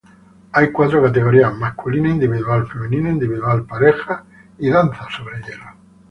Hay cuatro categorías: masculina individual, femenina individual, parejas y danza sobre hielo.